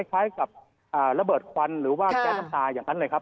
คล้ายกับระเบิดควันหรือว่าแก๊สน้ำตาอย่างนั้นเลยครับ